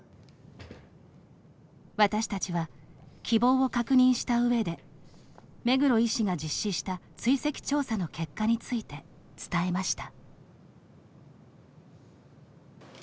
私たちは、希望を確認した上で目黒医師が実施した追跡調査の結果について伝えました。